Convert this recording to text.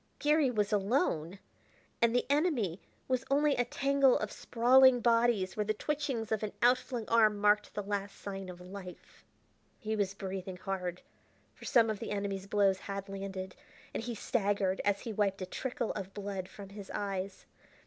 Garry was alone! and the enemy was only a tangle of sprawling bodies where the twitching of an outflung arm marked the last sign of life. He was breathing hard, for some of the enemies' blows had landed, and he staggered as he wiped a trickle of blood from his eyes.